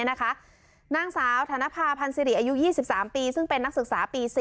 นางสาวธนภาพันสิริอายุ๒๓ปีซึ่งเป็นนักศึกษาปี๔